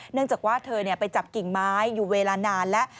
เนื่องจากว่าเธอไปจับกิ่งไม้อยู่เวลานานแล้ว